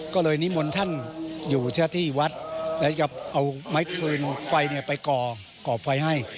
ก็เลยนิมนต์ท่านอยู่ที่วัดแล้วก็เอาไม้คืนไฟเนี่ยไปก่อไฟให้